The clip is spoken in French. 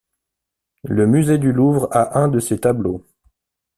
Le Musée du Louvre a un de ses tableaux.